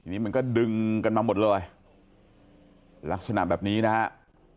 นี่มันก็ดึงกันมาหมดเลยลักษณะแบบนี้นะครับ